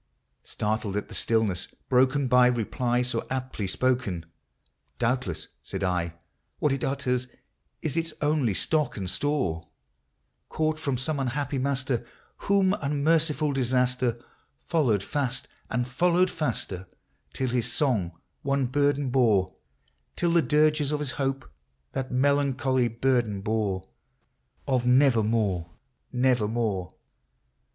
" Startled at the stillness, broken by reply so aptly spoken, "Doubtless," said T, "what it utters is its only stock and store, Caught from some unhappy master, whom un merciful disaster Followed fast and followed faster, till his song one burden bore, Till the dirges of his hope that melancholy burden bore, — Of ' Nevermore, — nevermore